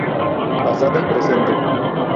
Pasado y Presente".